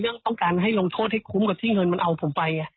เรื่องว่าต้องการให้รงโทษให้คุ้มกว่าที่เงินมาเอาผมไป